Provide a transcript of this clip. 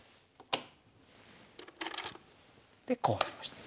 でこうなりました。